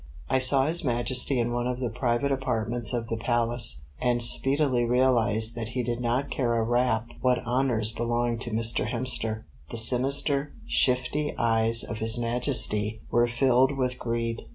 I saw his Majesty in one of the private apartments of the Palace, and speedily realized that he did not care a rap what honours belonged to Mr. Hemster. The sinister, shifty eyes of his Majesty were filled with greed.